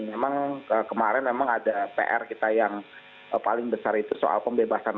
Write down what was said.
memang kemarin memang ada pr kita yang paling besar itu soal pembebasan